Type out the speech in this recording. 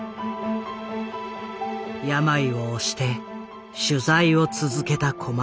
病を押して取材を続けた小松。